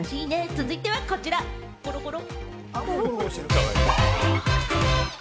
続いてはこちら、ゴロゴロ。